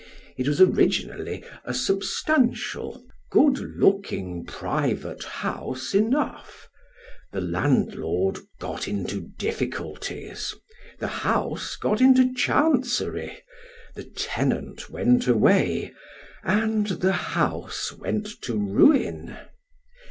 It was originally a sub stantial, good looking private house enough ; the landlord got into difficulties, the house got into Chancery, the tenant went away, and the house went to ruin.